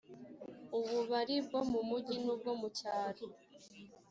ububari bwo mumujyi n ubwo mu cyaro